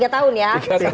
tiga tahun ya